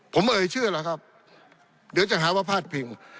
ผมเอ่ยเชื่อแล้วครับเดี๋ยวจะหาว่าพาดพิง